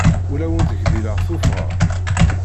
Ur awent-gdileɣ tuffɣa.